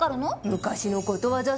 昔のことわざさ。